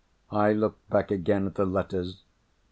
I looked back again at the letters.